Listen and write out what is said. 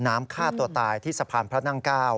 ฆ่าตัวตายที่สะพานพระนั่ง๙